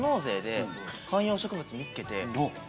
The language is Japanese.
観葉植物見つけて。